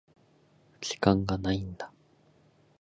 時間がないんだ。